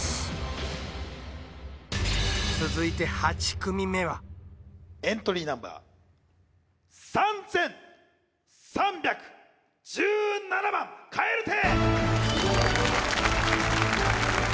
続いて８組目はエントリーナンバー３３１７番蛙亭！